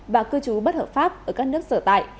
và cư trú bất hợp pháp ở các nước sở tại